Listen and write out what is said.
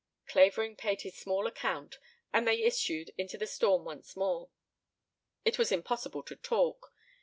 Clavering paid his small account and they issued into the storm once more. It was impossible to talk.